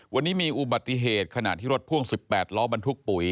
วันนี้มีอุบัติเหตุขณะที่รถพ่วง๑๘ล้อบรรทุกปุ๋ย